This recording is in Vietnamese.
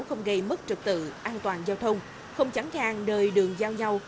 không gây mất trực tự an toàn giao thông không chẳng gian đời đường giao nhau